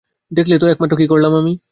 দেখলে তো মাত্র কি করলাম আমি?